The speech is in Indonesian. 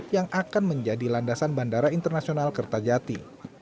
yang akan menjadi landasan bandara internasional kertajati